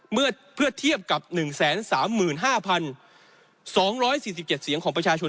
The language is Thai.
เมื่อเทียบกับ๑๓๕๒๔๗เสียงของประชาชน